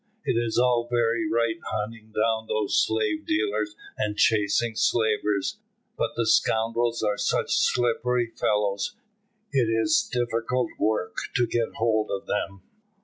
"It is all very right hunting down those slave dealers and chasing slavers, but the scoundrels are such slippery fellows, it is difficult work to get hold of them."